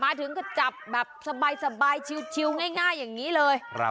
ถึงก็จับแบบสบายชิวง่ายอย่างนี้เลย